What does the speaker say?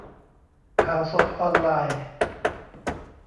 : ข่าวสดออนไลน์